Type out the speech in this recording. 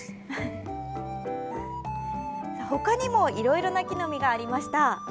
ほかにもいろいろな木の実がありました。